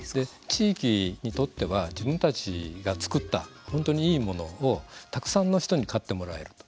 地域にとっては自分たちが作った本当にいいものをたくさんの人に買ってもらえると。